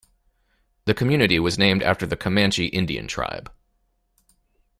The community was named after the Comanche Indian tribe.